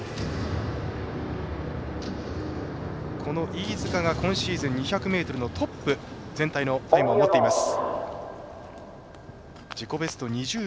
飯塚が今シーズン２００ｍタイムのトップ全体のタイムを持っています。